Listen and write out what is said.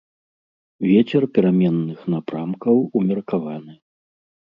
Вецер пераменных напрамкаў умеркаваны.